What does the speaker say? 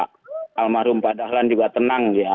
itu aja supaya pak almarhum pak dahlan juga tenang gitu ya